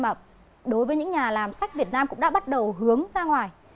mà đối với những nhà làm sách việt nam cũng đã bắt đầu hướng ra ngoài